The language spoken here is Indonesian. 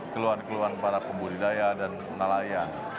keluhan keluhan para pembudidaya dan nelayan